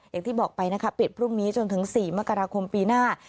อย่างที่บอกไปนะคะปิดพรุ่งนี้จนถึง๔มกราคมปีหน้า